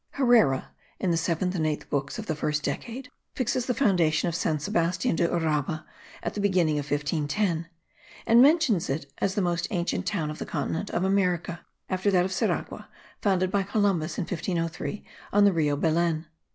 Herrera, in the 7th and 8th books of the first Decade, fixes the foundation of San Sebastian de Uraba at the beginning of 1510, and mentions it as the most ancient town of the continent of America, after that of Ceragua, founded by Columbus in 1503, on the Rio Belen.